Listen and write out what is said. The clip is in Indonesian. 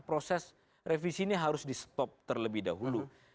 proses revisi ini harus di stop terlebih dahulu